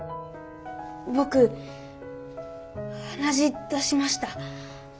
僕鼻血出しました。